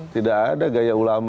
tidak ada gaya ulama